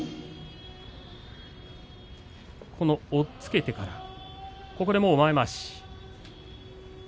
押っつけてから前まわし。